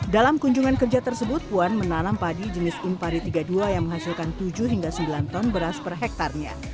dalam kunjungan kerja tersebut puan menanam padi jenis impari tiga puluh dua yang menghasilkan tujuh hingga sembilan ton beras per hektarnya